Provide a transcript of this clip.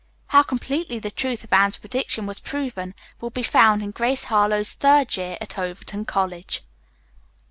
How completely the truth of Anne's prediction was proven will be found in "Grace Harlowe's Third Year at Overton College."